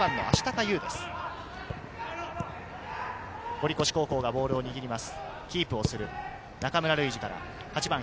堀越高校がボールを握ります。